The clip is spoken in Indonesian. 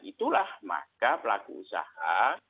itulah maka pelaku usaha